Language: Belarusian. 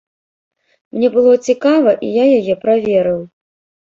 Мне было цікава, і я яе праверыў.